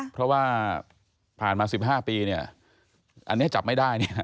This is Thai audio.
เพราะว่าผ่านมา๑๕ปีอันนี้จับไม่ได้